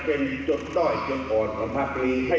ผมรู้แหละครับว่า